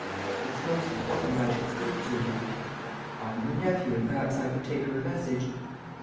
"It's most important that I should speak to her." "I am her nephew and perhaps I could take her a message...."